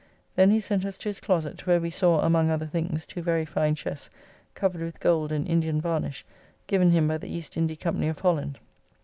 Then he sent us to his closett, where we saw among other things two very fine chests, covered with gold and Indian varnish, given him by the East Indy Company of Holland.